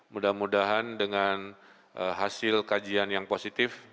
mudah mudahan dengan hasil kajian yang positif